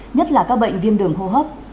nhất là các bệnh viêm đường hô hấp